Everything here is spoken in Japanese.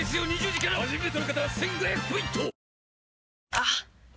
あっ！